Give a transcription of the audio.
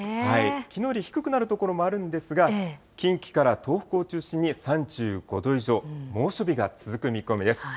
きのうより低くなる所もあるんですが、近畿から東北を中心に３５度以上、猛暑日が続く見込みです。